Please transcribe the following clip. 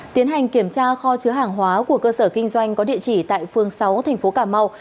tiến hành kiểm tra kho chứa hàng hóa của cơ sở kinh doanh có địa chỉ tại phường sáu thành phố cà mau